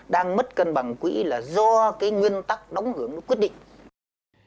đó là đang mất cân bằng quỹ là do cái nguyên tắc đóng hưởng nó quyết định